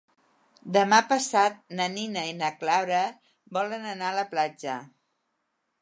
Demà passat na Nina i na Clara volen anar a la platja.